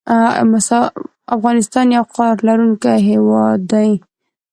افغانستان یو وقار لرونکی هیواد ده